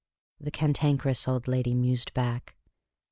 " the Cantankerous Old Lady mused back.